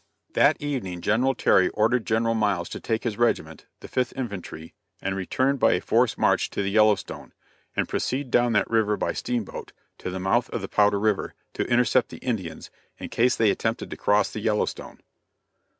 That evening General Terry ordered General Miles to take his regiment, the Fifth Infantry, and return by a forced march to the Yellowstone, and proceed down that river by steamboat to the mouth of Powder river, to intercept the Indians, in case they attempted to cross the Yellowstone.